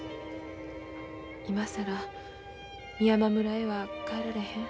今更美山村へは帰られへん。